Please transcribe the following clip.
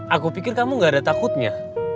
aku pikir kamu gak ada takutnya